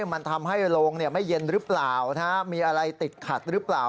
มันทำให้โรงไม่เย็นหรือเปล่ามีอะไรติดขัดหรือเปล่า